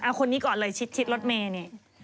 เอาคนนี้ก่อนเลยชิดรถเมย์นี่